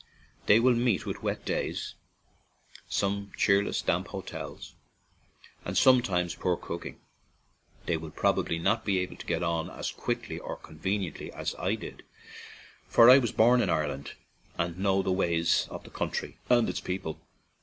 They will meet with wet days, some cheerless, damp hotels, and sometimes poor cooking; they will 137 9 79 ON AN IRISH JAUNTING CAR probably not be able to get on as quickly or conveniently as I did, for I was born in Ireland and know the ways of the country and its people.